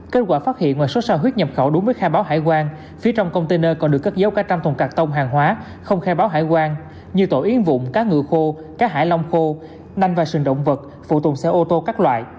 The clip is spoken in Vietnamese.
kết quả phát hiện ngoài số xà huyết nhập khẩu đúng với khai báo hải quan phía trong container còn được cất giấu cả trăm thùng cắt tông hàng hóa không khai báo hải quan như tổ yến vụng cá ngựa khô cá hải long khô nanh và sừng động vật phụ tùng xe ô tô các loại